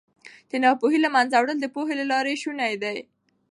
د ناپوهۍ له منځه وړل د پوهې له لارې شوني دي.